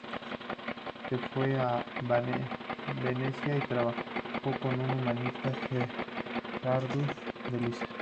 Se fue a Venecia y trabajó con el humanista Gerardus de Lisa.